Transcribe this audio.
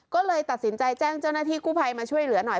ก็เลยตัดสินใจแจ้งเจ้าหน้าที่กู้ภัยมาช่วยเหลือหน่อย